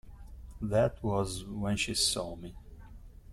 That was when she saw me.